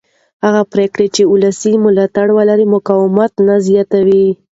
هغه پرېکړې چې ولسي ملاتړ ولري مقاومت نه زېږوي